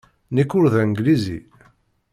Nekk ur d Anglizi.